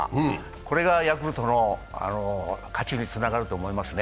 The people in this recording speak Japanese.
これがヤクルトの勝ちにつながると思いますね。